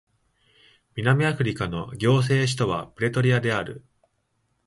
南アフリカの行政首都はプレトリアである